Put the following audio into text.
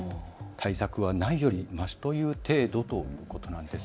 対策はないよりマシという程度ということなんです。